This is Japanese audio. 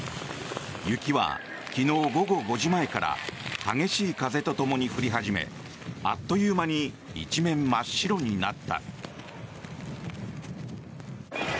雪は昨日午後５時前から激しい風とともに降り始めあっという間に一面、真っ白になった。